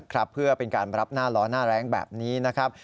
ครับเพื่อเป็นการรับหน้าล้อหน้าแรงแบบนี้นะครับ